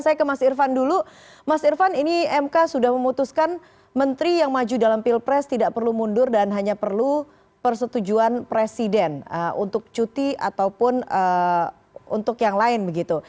saya ke mas irfan dulu mas irfan ini mk sudah memutuskan menteri yang maju dalam pilpres tidak perlu mundur dan hanya perlu persetujuan presiden untuk cuti ataupun untuk yang lain begitu